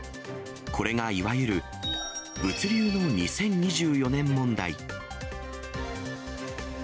これがいわゆる物流の２０２４年問題。